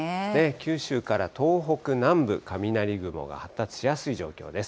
九州から東北南部、雷雲が発達しやすい状況です。